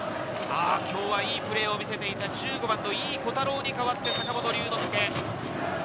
今日はいいプレーを見せていた１５番の井伊虎太郎に代わって坂本龍之介。